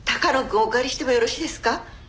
お借りしてもよろしいですか？